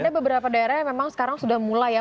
ada beberapa daerah yang memang sekarang sudah mulai ya